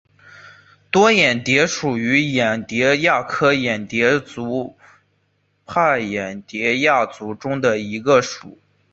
多眼蝶属是眼蝶亚科眼蝶族帕眼蝶亚族中的一个属。